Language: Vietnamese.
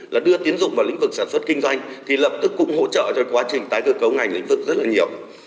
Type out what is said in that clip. là đưa tiến dụng vào lĩnh vực sản xuất kinh doanh thì lập tức cũng hỗ trợ cho quá trình tái cơ cấu ngành lĩnh vực rất là nhiều